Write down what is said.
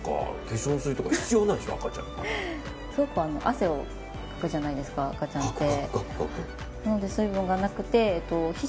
汗をかくじゃないですか赤ちゃんって。